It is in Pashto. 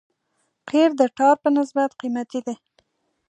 قیر د ټار په نسبت قیمتي دی